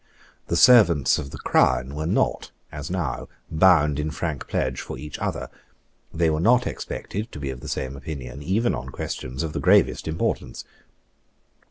The servants of the Crown were not, as now, bound in frankpledge for each other. They were not expected to be of the same opinion even on questions of the gravest importance.